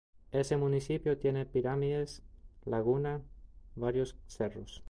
Ese municipio tiene, pirámides, laguna, varios cerros.